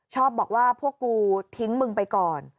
ชอบบอกว่าพวกกูทิ้งมึงไปก่อน